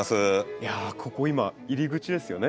いやここ今入り口ですよね。